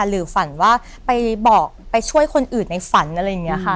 หรือฝันว่าไปบอกไปช่วยคนอื่นในฝันอะไรอย่างนี้ค่ะ